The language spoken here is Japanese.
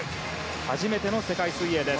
初めての世界水泳です。